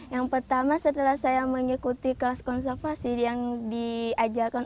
yang pertama setelah saya mengikuti kelas konservasi yang diajarkan